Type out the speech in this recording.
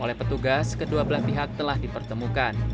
oleh petugas kedua belah pihak telah dipertemukan